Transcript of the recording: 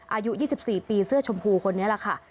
อายุ๒๔ปีเสื้อชมพูคนนี้แหละค่ะ